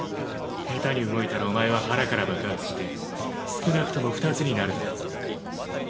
ヘタに動いたらお前は腹から爆発して少なくとも二つになるだろう。